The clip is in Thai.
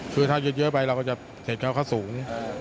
คือถ้ายึดเยอะไปเราก็จะเสร็จเขาสูง